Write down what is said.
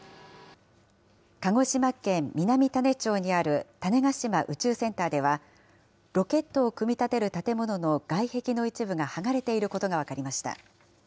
鹿児島県南種子町にある種子島宇宙センターでは、ロケットを組み立てる建物の外壁の一部が剥がれていることが分かりました。